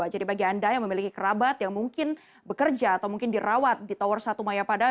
jadi bagi anda yang memiliki kerabat yang mungkin bekerja atau mungkin dirawat di tower satu mayapada